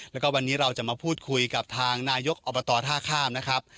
แล้วก็วันนี้เราจะมาพูดคุยกับทางนายกอบตท่าข้ามนะครับ